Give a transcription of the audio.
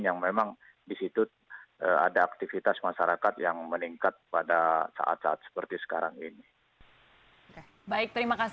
yang memang disitu ada aktivitas masyarakat yang meningkat pada saat saat seperti sekarang ini